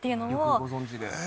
よくご存じで。